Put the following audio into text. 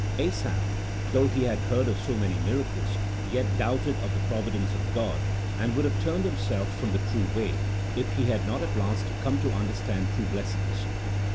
Asaph, though he had heard of so many miracles, yet doubted of the providence of God, and would have turned hhnself from the true way, if he had not at last come to understand true blessedness.